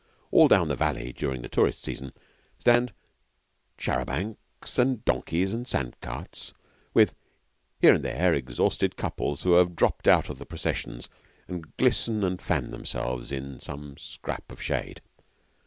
All down the valley, during the tourist season, stand char a bancs and donkeys and sand carts, with here and there exhausted couples who have dropped out of the processions and glisten and fan themselves in some scrap of shade.